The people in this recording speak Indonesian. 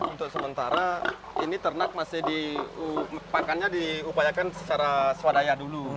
untuk sementara ini ternak masih diupayakan secara swadaya dulu